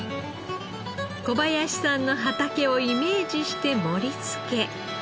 小林さんの畑をイメージして盛り付け。